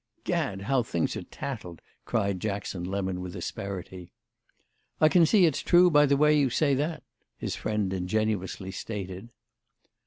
"Gad, how things are tattled!" cried Jackson Lemon with asperity. "I can see it's true by the way you say that," his friend ingenuously stated.